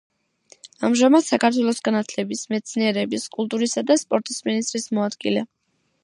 ამჟამად საქართველოს განათლების, მეცნიერების, კულტურისა და სპორტის მინისტრის მოადგილე.